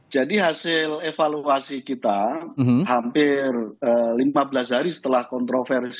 jadi hasil evaluasi kita hampir lima belas hari setelah kontroversi protesan